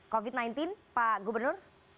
covid sembilan belas pak gubernur